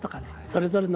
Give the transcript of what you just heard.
それぞれ。